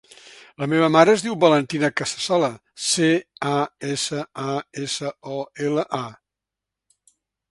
La meva mare es diu Valentina Casasola: ce, a, essa, a, essa, o, ela, a.